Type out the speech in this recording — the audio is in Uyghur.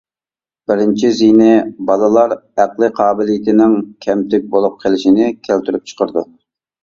بىرىنچى زېيىنى:بالىلار ئەقلى قابىلىيىتىنىڭ كەمتۈك بولۇپ قېلىشىنى كەلتۈرۈپ چىقىرىدۇ.